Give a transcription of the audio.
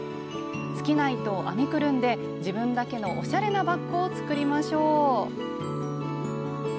好きな糸を編みくるんで自分だけのおしゃれなバッグを作りましょう！